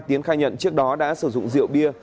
tiến khai nhận trước đó đã sử dụng rượu bia